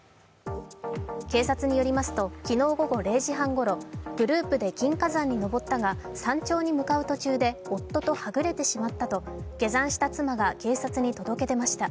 警察によりますと、昨日午後０時半ごろ、グループで金華山に登ったが山頂に向かう途中で夫とはぐれてしまったと下山した妻が警察に届け出ました。